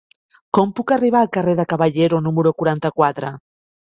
Com puc arribar al carrer de Caballero número quaranta-quatre?